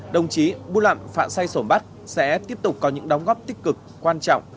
đồng chí bung lặn phạ say sổm bắt sẽ tiếp tục có những đóng góp tích cực quan trọng